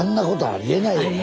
ありえないです。